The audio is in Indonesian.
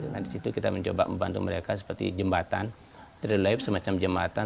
nah disitu kita mencoba membantu mereka seperti jembatan tiga life semacam jembatan